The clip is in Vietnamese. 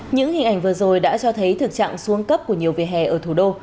những hình ảnh vừa rồi đã cho thấy thực trạng xuống cấp của nhiều vỉa hè ở thủ đô